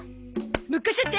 任せて！